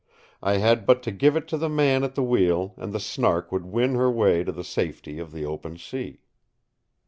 I had but to give it to the man at the wheel and the Snark would win her way to the safety of the open sea.